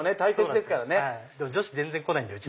でも女子全然来ないんでうち。